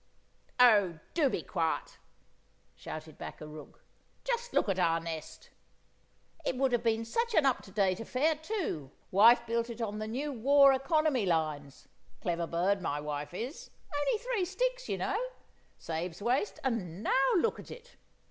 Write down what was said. "Oh, do be quiet!" shouted back a rook. "Just look at our nest! It would have been such an up to date affair, too; wife built it on the new war economy lines—clever bird my wife is—only three sticks, you know; saves waste; and now look at it!